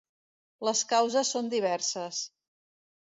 Les causes són diverses.